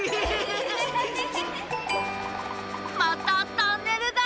またトンネルだ。